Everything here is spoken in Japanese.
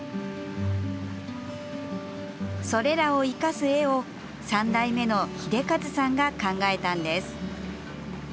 それらを生かす絵を３代目の秀和さんが考えたんです。